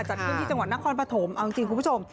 จัดขึ้นที่จังหวัดนครปฐมเอาจริงคุณผู้ชม